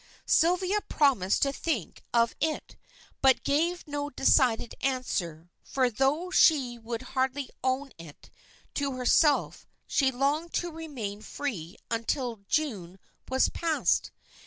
Sylvia promised to think of it, but gave no decided answer, for though she would hardly own it to herself she longed to remain free till June was past.